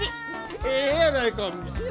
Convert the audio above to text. ええやないか。